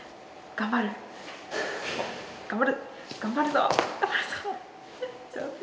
頑張るぞ！